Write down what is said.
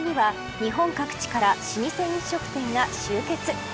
１階には日本各地から老舗飲食店が集結。